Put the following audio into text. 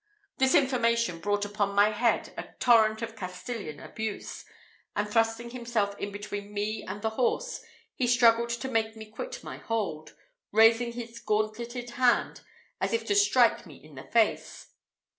This information brought upon my head a torrent of Castilian abuse, and thrusting himself in between me and the horse, he struggled to make me quit my hold, raising his gauntleted hand as if to strike me in the face.